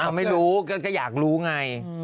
ไม่รู้ก็อยากรู้ไง